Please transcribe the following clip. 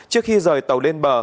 trước khi rời tàu lên bờ